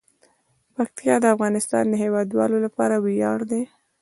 پکتیا د افغانستان د هیوادوالو لپاره ویاړ دی.